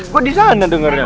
gue di sana dengernya